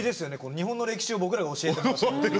日本の歴史を僕らが教えてもらってる。